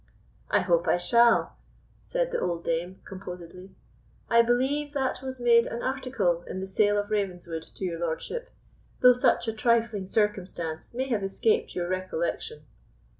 "I hope I shall," said the old dame, composedly; "I believe that was made an article in the sale of Ravenswood to your lordship, though such a trifling circumstance may have escaped your recollection."